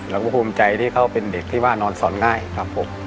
เราก็ภูมิใจที่เขาเป็นเด็กที่ว่านอนสอนง่ายครับผม